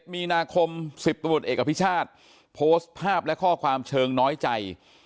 มีนาคม๑๐ตำรวจเอกอภิชาติโพสต์ภาพและข้อความเชิงน้อยใจ